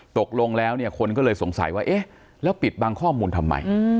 ตกลงแล้วเนี่ยคนก็เลยสงสัยว่าเอ๊ะแล้วปิดบังข้อมูลทำไม